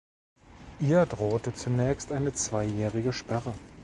Ihr drohte zunächst eine zweijährige Sperre.